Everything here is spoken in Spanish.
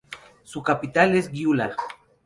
Su capital es Gyula.